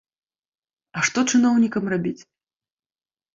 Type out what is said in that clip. А што чыноўнікам рабіць?